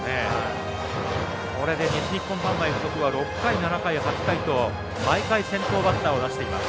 これで西日本短大付属は６回、７回、８回と毎回先頭バッターを出しています。